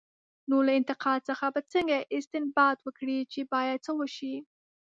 نو له انتقاد څخه به څنګه استنباط وکړي، چې باید څه وشي؟